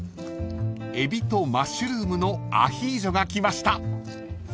［海老とマッシュルームのアヒージョが来ました］